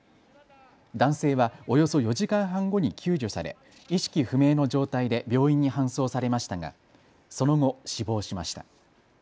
男性はおよそ４時間半後に救助され、意識不明の状態で病院に搬送されましたがその後、死亡しました。